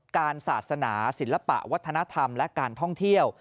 การศาสนาศิลปะวัฒนธรรมและการท่องเที่ยว